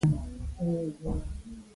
ستا جنګیالي دا څه کوي.